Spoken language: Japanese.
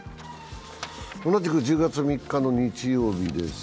同じく１０月３日の日曜日です。